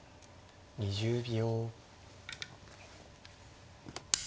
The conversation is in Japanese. ２０秒。